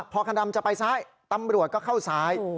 พอคันดำจะไปซ้ายตำรวจก็เข้าซ้าย